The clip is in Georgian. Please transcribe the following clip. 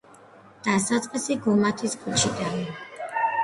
დასაწყისი გუმათის ქუჩიდან.